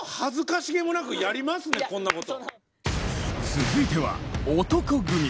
続いては男闘呼組！